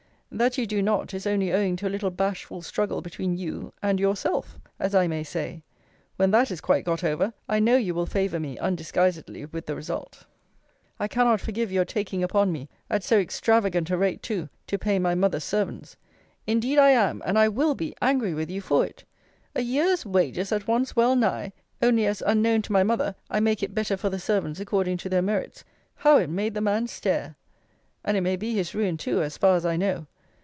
That you do not, is only owing to a little bashful struggle between you and yourself, as I may say. When that is quite got over, I know you will favour me undisguisedly with the result. I cannot forgive your taking upon me (at so extravagant a rate too) to pay my mother's servants. Indeed I am, and I will be, angry with you for it. A year's wages at once well nigh! only as, unknown to my mother, I make it better for the servants according to their merits how it made the man stare! And it may be his ruin too, as far as I know.